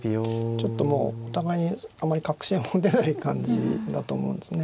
ちょっともうお互いにあんまり確信を持てない感じだと思うんですね。